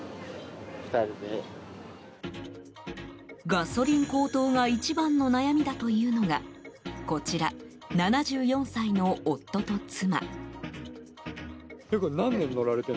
ガソリン高騰が一番の悩みだというのがこちら、７４歳の夫と妻。